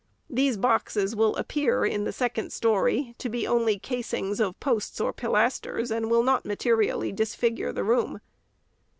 These boxes will appear, in the second story, to be only casings of posts or pilasters, and will not materially dis figure the room.